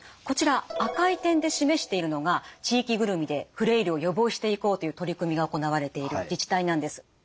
こちら赤い点で示しているのが地域ぐるみでフレイルを予防していこうという取り組みが行われている自治体なんです。